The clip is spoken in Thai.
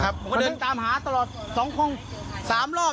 ผมก็เดินตามหาตลอด๒๓รอบ